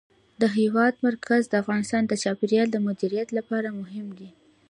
د هېواد مرکز د افغانستان د چاپیریال د مدیریت لپاره مهم دي.